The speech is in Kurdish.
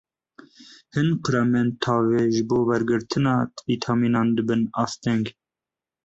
Hin kremên tavê ji bo wergirtina vîtamînan dibin asteng.